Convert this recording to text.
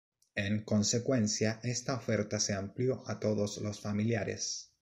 En consecuencia, esta oferta se amplió a todos los familiares.